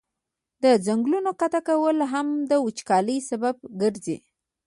د ځنګلونو قطع کول هم د وچکالی سبب ګرځي.